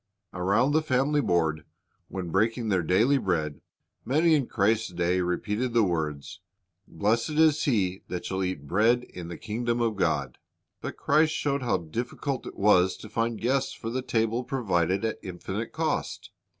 "^ Around the family board, when breaking their daily bread, many in Christ's day repeated the words, "Blessed is he that shall eat bread in the kingdom of God." But Christ showed how difficult it was to find guests for the table provided at infinite cost.